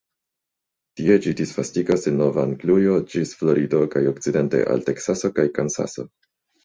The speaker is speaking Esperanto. Tie ĝi disvastigas de Nov-Anglujo ĝis Florido kaj okcidente al Teksaso kaj Kansaso.